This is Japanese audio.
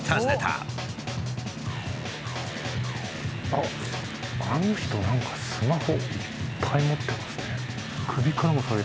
あっあの人何かスマホいっぱい持ってますね。